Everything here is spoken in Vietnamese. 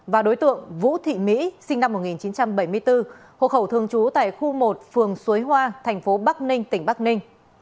và đối tượng vũ thị mỹ sinh năm một nghìn chín trăm bảy mươi bốn hộ khẩu thường trú tại khu một phường suối hoa thành phố bắc ninh tỉnh bắc ninh